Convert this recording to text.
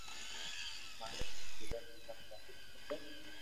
مالڪ ري ڪيدا رستہ تو ھالوُ کپي